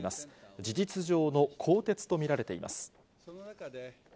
事実上の更迭と見られています。